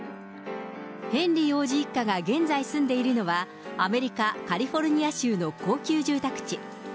ヘンリー王子一家が現在住んでいるのは、アメリカ・カリフォルニア州の高級住宅地。